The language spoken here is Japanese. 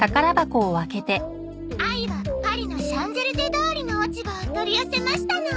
あいはパリのシャンゼリゼ通りの落ち葉を取り寄せましたの。